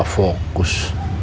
saya udah gak fokus